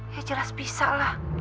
ya jelas bisa lah